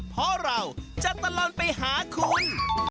เพราะเราจะตลอดไปหาคุณ